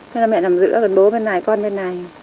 thế là mẹ nằm giữa còn bố bên này con bên này